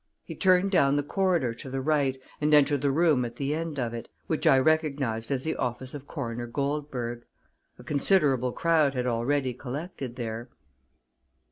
He turned down the corridor to the right, and entered the room at the end of it, which I recognized as the office of Coroner Goldberg. A considerable crowd had already collected there.